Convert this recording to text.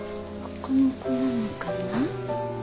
ここの子なのかな？